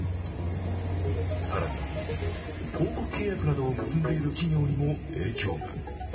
更に、広告契約などを結んでいる企業にも影響が。